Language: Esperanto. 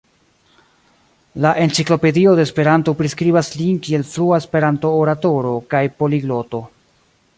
La Enciklopedio de Esperanto priskribas lin kiel flua Esperanto-oratoro kaj poligloto.